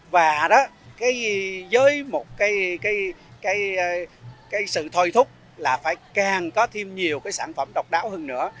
và đó với một cái sự thôi thúc là phải càng có thêm nhiều cái sản phẩm độc đáo hơn nữa